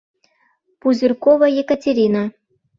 Пузырькова Екатерина...